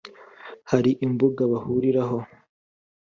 hari imbuga bahuriraho .